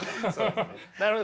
なるほど。